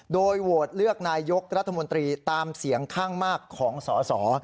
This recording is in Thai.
โดยโหวตเลือกนายกรัฐมนตรีตามเสียงข้างมากของสอสอ